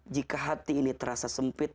jika hati ini terasa sempit